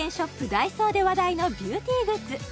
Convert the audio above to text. ＤＡＩＳＯで話題のビューティーグッズ